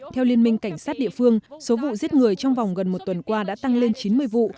theo liên minh cảnh sát địa phương số vụ giết người trong vòng gần một tuần qua đã tăng lên chín mươi vụ